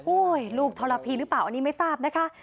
ลูกทรพีหรือเปล่าอันนี้ไม่ทราบนะคะ